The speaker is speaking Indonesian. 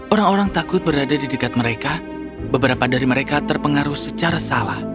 orang orang takut berada di dekat mereka beberapa dari mereka terpengaruh secara salah